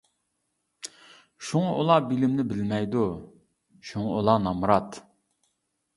شۇڭا ئۇلار بىلىمنى بىلمەيدۇ، شۇڭا ئۇلار نامرات.